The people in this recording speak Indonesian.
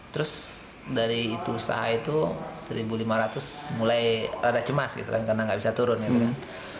terus dari itu usaha itu seribu lima ratus mulai rada cemas gitu kan karena nggak bisa turun gitu kan